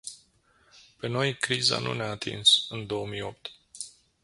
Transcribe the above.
Pe noi criza nu ne-a atins în două mii opt.